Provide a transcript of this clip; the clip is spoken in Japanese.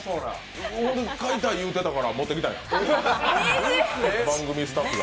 買いたい言うてたから持ってきたんや、番組スタッフが。